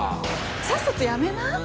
さっさと辞めな。